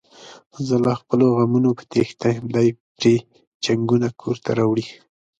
زه له خپلو غمونو په تېښته یم، دی پري جنگونه کورته راوړي.